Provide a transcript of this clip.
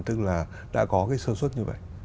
tức là đã có cái sơ xuất như vậy